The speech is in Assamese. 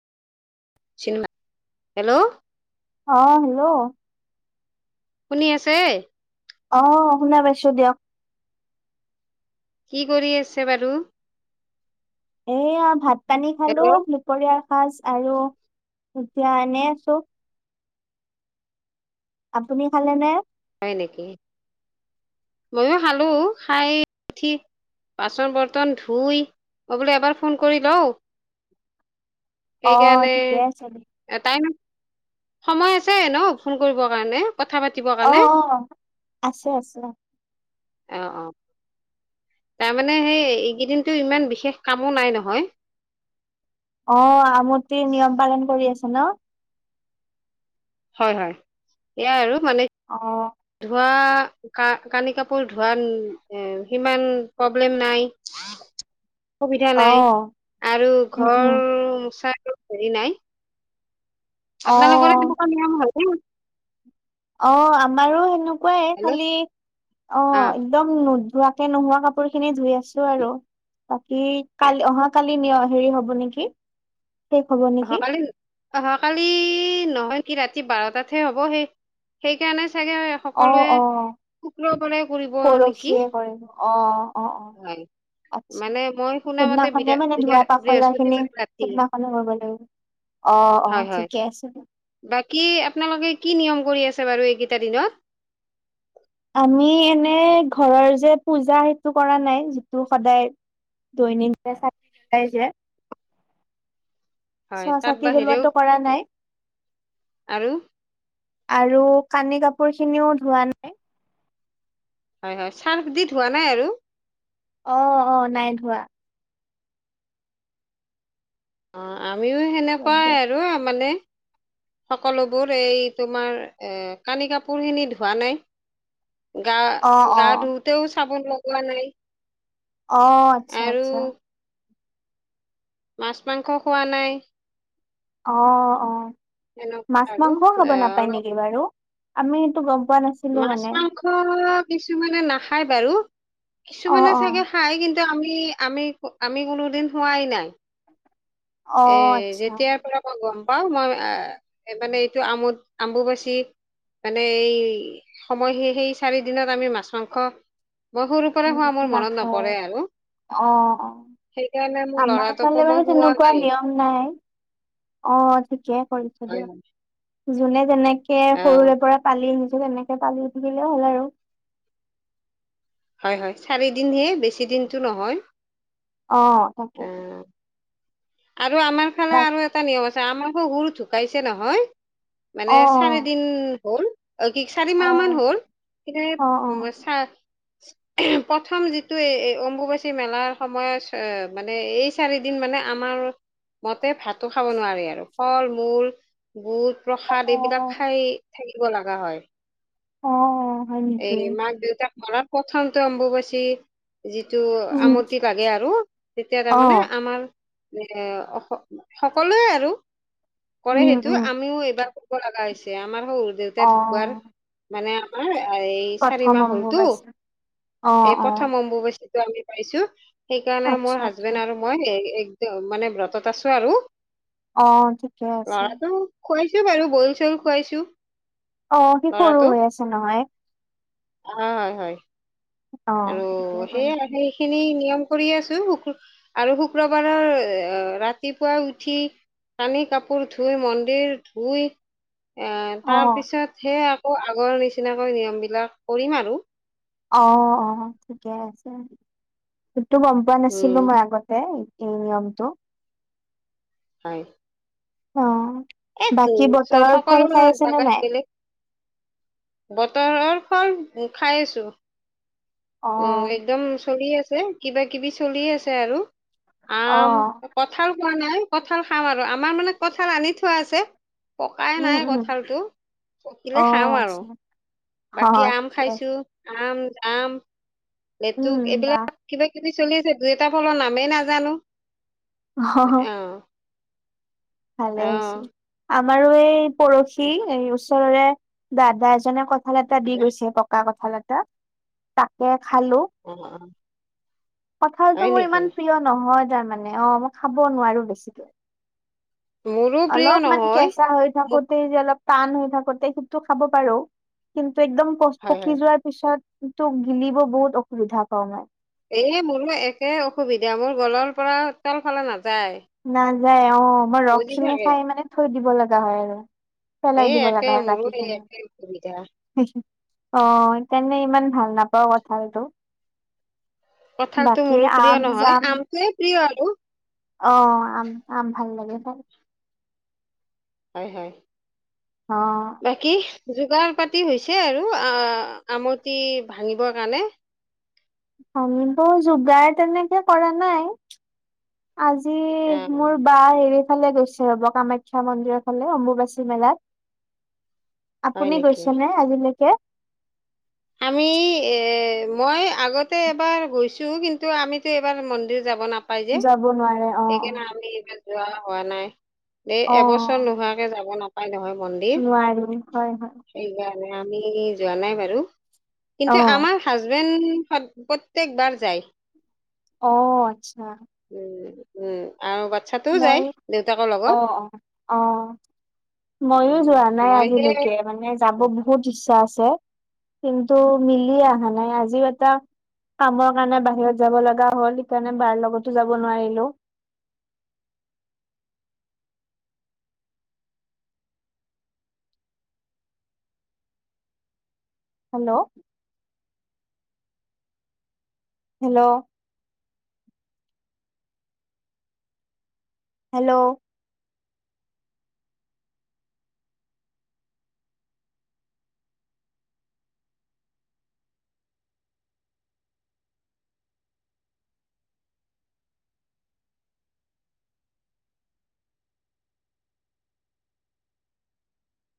Cinema, hello. অ হেল্ল' শুনি আছে? অ শুনা পাইছো দিয়ক। কি কৰি আছে বাৰু? এইয়া ভাত পানী খালো হেল্ল' দুপৰীয়াৰ সাজ আৰু এতিয়া এনে আছো। আপুনি খালে নে? হয় নেকি? মইয়ো খালো খাই উঠি বাচন বৰ্তন ধুই মই বোলে এবাৰ ফোন কৰি লওঁ। অ সেইকাৰণে, ঠিকে আছে দে টাইম সময় আছে ন ফোন কৰিবৰ কাৰণে। কথা পাতিবৰ অ কাৰণে? অ আছে আছে অ অ। তাৰমানে সেই এইকেইদিনো বিশেষ কামো নহয়। অ আমটি নিয়ম পালন কৰি আছো ন? হয় হয়। এয়াই আৰু মানে অ। ধোৱা কা, কানি কাপোৰ ধোৱা এ সিমান প্ৰব্লেম নাই সুবিধা অ নাই, আৰু উম ঘৰ উম মূচাটো হেৰি নাই অ আপোনালোকৰো এনেকুৱা নিয়ম ভাল পাই নিকি? অ', আমাৰো সেনেকুৱাই হেল্ল' খালি, অ'। একদম নোধোৱাকে নোহোৱা কাপোৰ খিনি ধুই আছো আৰু, বাকী এ, কালি অহা কালি নিয়, হেৰি হ'ব নেকি শেষ হব নেকি অহাকালি? অহাকালি নহয় কি ৰাতি বাৰটাতহে হ'ব সেই, সেইকাৰণে চাগে অ সকলোৱে অ শুক্ৰবাৰে কৰিব নেকি? পৰহিয়ে কৰিব অ অ অ হয়। আচ্ছা মানে মই শুনামতে সেইদিনাখনে বিৰা বিৰাট বৃহস্পতিবাৰে ৰাতি। অনুভৱলৈ অ', হয় অ', হয় ঠিকে আছে। বাকী আপোনালোকে কি নিয়ম কৰি আছে বাৰু এইকেইটা দিনত? আমি এনে ঘৰৰ যে পূজা সেইটো কৰা নাই, যিটো সদায় দৈনিক ভাবে চাকি জ্বলাই যে হয় চোৱা তাত চাকি বাহিৰেও জ্বলোৱাটো কৰা নাই। আৰু আৰু কানি কাপোৰ খিনিও ধোৱা নাই। হয় হয়, চাৰ্ফ দি ধোৱা নাই আৰু? অ', অ', নাই ধোৱা। অ'। আমিও ৰব সেনেকুৱাই আৰু মানে সকলোবোৰ, এই তোমাৰ কানি কাপোৰ খিনি ধোৱা নাই গা, অ অ গা ধুওতেও চাবোন লগোৱা নাই। অ', ' আচ্ছা আৰু আচ্ছা। মাছ মাংস খোৱা নাই। অ', অ', এনেকুৱা মাছ আৰু মাংসও খাব এ নাপায় অলপ নেকি বাৰু? আমিটো গম পোৱা নাছিলোঁ‌। মাছ মাংস কিছুমানে নাখায় বাৰু, অ কিছুমানে অ চাগে খাই কিন্তু আমি, আমি, আমি কোনোদিন খোৱাই নাই। এ, অ', আচ্ছা যেতিয়াৰ পৰা মই গম পাও, মই মানে এইটো আম্বু-আম্বুবাচি মানে এই সময়, সেই-সেই চাৰি দিনত আমি মাছ মাংস মই সৰুৰ পৰা উম খোৱা মোৰ মনত নাখায় নপৰে আৰু। অ', অ'। সেইকাৰণে মোৰ আমাৰ ফালে ল'ৰাটোকো বাৰু মই খোঁওৱা তেনেকুৱা নাই। নিয়ম নাই, অ', ঠিকে কৰিছে হয় দিয়ক, হয় যোনে যেনেক যেনেকে অ সৰুৰে পৰা পালি আহিছোঁ, তেনেকে পালি উঠিলে হ'ল আৰু। হয় হয়, চাৰিদিনহে বেছি দিনটো নহয়। অ', তাকে। আৰু আমাৰ তাতো [unintelligible] এটা নিয়ম আছে, আমাৰ শহুৰ ঢুকাইছে নহয়, অ', মানে চাৰি দিন হ'ল। অ'-কি চাৰি মাহ মান অ', হ'ল কিন্তু অ', অ', সেই অ'। চা প্ৰথম যিটো এই অম্বুবাচী মেলাৰ সময়ত, মানে এই চাৰিদিন মানে আমাৰ মতে ভাতো খাব নোৱাৰি আৰু ফল-মূল বুট, প্ৰসাদ এইবিলাক অ', খাই থাকিব লগা হয়। অ' হয় নেকি এই, মাক-দেউতাক মৰাৰ প্ৰথমটো অম্বুবাচী যিটো উম আমতি লাগে আৰু তেতিয়া তাৰমানে অ', আমাৰ এ অস, সকলোৱে আৰু কৰে উম, সেইটো উম আমিও এইবাৰ কৰিব লাগা হৈছে আমাৰ সৰু দেউতা ঢুকোৱাৰ অ'। মানে আমাৰ এই চাৰি প্ৰথম মাহ হ'লতো। অম্বুবাচী অ', এই অ', প্ৰথম অম্বুবচীটো আমি পাইছো সেইকাৰণে মোৰ আচ্ছা আচ্ছা হাজবেণ্ড আৰু মই এ একদম মানে ব্ৰতত আছো আৰু অ', ঠিকে আছে। ল'ৰাটো খোৱাইছো বাৰু বন - চন খুৱাইছো। অ সি সৰু ল'ৰাটোক হৈ আছে নহয়। অ হয় হয় অ', আৰু ঠিকে সেইয়া কৰিছে। সেই খিনি নিয়ম কৰি আছো, শু আৰু শুক্ৰবাৰৰ আ ৰাতিপুৱা উঠি কানি- কাপোৰ ধুই, মন্দিৰ ধুই এ তাৰ অ', পিছত সেয়া আকৌ আগৰ নিচিনাকৈ নিয়মবিলাক কৰিম আৰু। অ অ ঠিকে আছে সেইটো গম পোৱা নাছিলো উম মই আগতে। এই নিয়মটো। হয়। অ, উম, বাকী চ বতৰৰ সকলো ফল খাই আছে নে জাগাত নাই? বেলেগ বতৰৰ ফল উম খাই আছো। উম অ', একদম চলি আছে, কিবা কিবি চলি আছে আৰু। আম, অ', কঁঠাল খোৱা নাই কঁঠাল খাম আৰু আমাৰ মানে কঁঠাল আনি থোৱা আছে। পকাই উম, নাই উম, কঁঠালটো, পকিলে খাওঁ অ', আৰু। আচ্ছা বাকী অ', আম ঠিকে খাইছো আছে। আম, জাম, লেতুক উম, বাহ এইবিলাক কিবা কিবি চলি আছে দুই এটাৰ ফলৰ নামেই নাজানো, এ অ অ ভালে হৈছে, আমাৰো এই পৰশি এই ওচৰৰে দাদা এজনে ক ঠাল এটা দি গৈছে পকা কঁঠাল এটা তাকে খালো। অ অ। হয় কঁঠালটো মোৰ নেকি ইমান প্ৰিয় নহয় তাৰমানে অ মই খাব নোৱাৰো বেছিকে। মোৰো প্ৰিয় অলপমান নহয় কেঁচা হৈ মোক থাকোতেই যে অলপ টান হৈ থাকোতে সেইটো খাব পাৰো কিন্তু একদম পচ হয় হয় পকি যোৱা পিছত তো গিলিব বহুত অসুবিধা পাওঁ মই। এ মোৰো একে অসুবিধা, মোৰ গলৰ পৰা তল ফালে নাযায়। নাযায় অ, মই ৰস বজি খিনি থাকে খাই মানে থৈ দিব লগা হয় আৰু। পেলাই এই দিব একে লগা হয় মোৰো এই বাকীখিনি। একে অসুবিধা [unintelligible] অ তেনে ইমান ভাল নাপাওঁ কঁঠালটো। কঁঠালটো বাকী মোৰো প্ৰিয় আম নহয় জাম আমটোয়ে প্ৰিয় আৰু। অ আম আম ভাল লাগে খায়। হয় হয়। অ। বাকী যোগাৰ পাতি হৈছে আৰু আ আমটি ভাঙিবৰ কাৰণে। আনিব যোগাৰ তেনেকে কৰা নাই। আজি অ অ মোৰ বা হেৰি ফালে গৈছে ৰ'ব কামাখ্যা মন্দিৰৰ ফালে অম্বুবাচী মেলাত। হয় আপুনি নেকি গৈছেনে আজিলৈকে? আমি এই মই আগতে এবাৰ গৈছোঁ কিন্তু আমিতো এইবাৰ মন্দিৰ যাব না পায় যে যাব নোৱাৰে অ সেই অ। কাৰনে আমি ইমান যোৱা হোৱা নাই, এই অ এবছৰ নোহোৱাকে যাব নাপ পাই নহয় মন্দিৰ নোৱাৰি হয় হয় সেইকাৰণে আমি যোৱা নাই বাৰু। অ কিন্তু আমাৰ হাজবেণ্ড সদ প্ৰত্যেক বাৰ যায়। অ', আচ্ছা। উম, উম, আৰু বাচ্ছাটোও মই যায় দেউতাকৰ লগত। মইও উম যোৱা নাই মই সেই আজিলৈকে মানে যাব বহুত ইচ্ছা আছে। কিন্তু মিলি অহা নাই আজিও এটা কামৰ কাৰণে বাহিৰত যাব লগা হ'ল সেইকাৰণে বাৰ লগতো যাব নোৱাৰিলোঁ। হেল্ল'। হেল্ল'। হেল্ল'।